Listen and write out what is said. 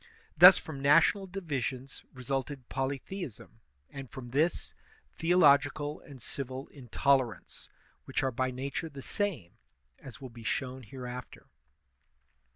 Thus from national divisions resulted polytheism, and, from this, theological and civil intolerance, which are by nature the same, as will be shown hereafter.